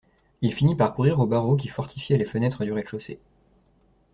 Il finit par courir aux barreaux qui fortifiaient les fenêtres du rez-de-chaussée.